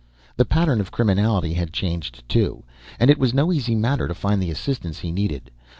The pattern of criminality had changed, too, and it was no easy matter to find the assistance he needed.